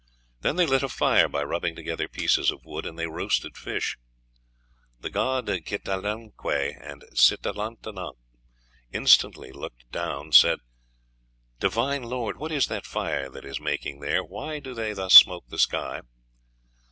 "Then they lit a fire, by rubbing together pieces of wood, and they roasted fish. "The gods Citlallinicué and Citlalatonac, instantly looking down said: 'Divine Lord, what is that fire that is making there? Why do they thus smoke the sky?'